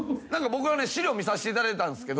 僕は資料を見させていただいたんですが。